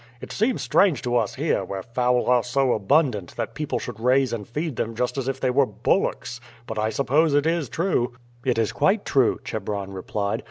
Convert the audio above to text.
It seems strange to us here, where fowl are so abundant, that people should raise and feed them just as if they were bullocks. But I suppose it is true." "It is quite true," Chebron replied.